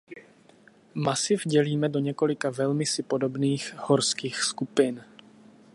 Masiv dělíme do několika velmi si podobných horských skupin.